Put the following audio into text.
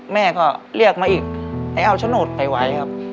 แม่ก็เลือกมาอีกจะเอาโฉโนตไปไหวครับ